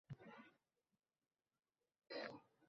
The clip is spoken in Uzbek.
Zero ularning ongi toza. Hozircha.